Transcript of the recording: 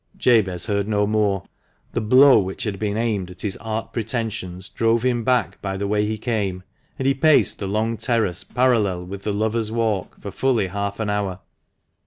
Jabez heard no more. The blow which had been aimed at his art pretensions drove him back by the way he came, and he paced the long terrace parallel with the "Lovers' Walk" for fully half an hour.